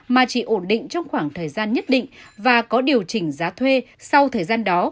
mà chỉ ổn định trong khoảng thời gian nhất định và có điều chỉnh giá thuê sau thời gian đó